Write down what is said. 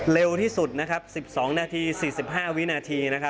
เร็วที่สุด๑๒นาที๔๕วินาที